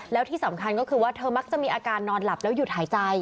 แล้วที่สำคัญก็คือว่าเธอมักจะมีอาการนอนหลับแล้วหยุดหายใจ